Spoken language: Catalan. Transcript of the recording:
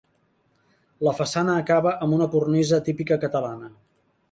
La façana acaba amb una cornisa típica catalana.